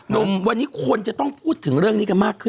หนุ่มวันนี้คนจะต้องพูดถึงเรื่องนี้กันมากขึ้น